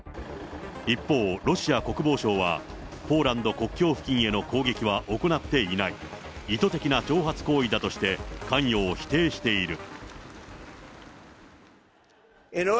一方、ロシア国防省はポーランド国境付近への攻撃は行っていない、意図的な挑発行為だとして、関与を否定している。